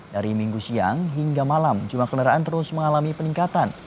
dari minggu siang hingga malam jumlah kendaraan terus mengalami peningkatan